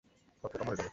সব পোকা মরে যাবে।